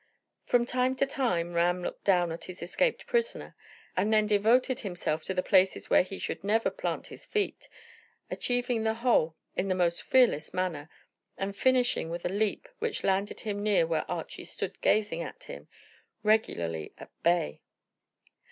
From time to time Ram looked down at his escaped prisoner, and then devoted himself to the places where he should never plant his feet, achieving the whole in the most fearless manner, and finishing with a leap which landed him near where Archy stood gazing at him, regularly at bay.